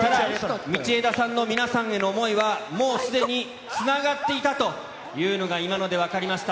道枝さんの皆さんへの思いは、もうすでにつながっていたというのが、今ので分かりました。